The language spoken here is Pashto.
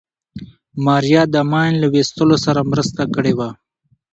ماريا د ماين له ويستلو سره مرسته کړې وه.